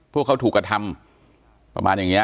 พวกเขาถูกกระทำประมาณอย่างนี้